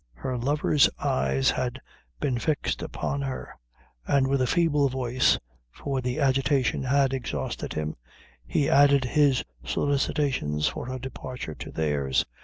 Her lover's eyes had been fixed upon her, and with a feeble voice for the agitation had exhausted him he added his solicitations for her departure to theirs.